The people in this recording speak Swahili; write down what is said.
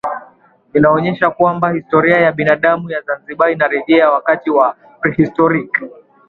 Vinaonesha kwamba historia ya binadamu ya Zanzibar inarejea wakati wa prehistoric